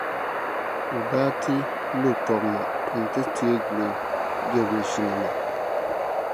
o daa ti lo tɔb’ na nti teei gili Jabɛshinima.